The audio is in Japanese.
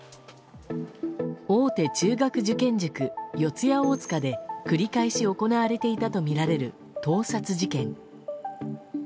大手中学受験塾、四谷大塚で繰り返し行われていたとみられる盗撮事件。